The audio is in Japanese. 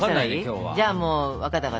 じゃあもう分かった分かった。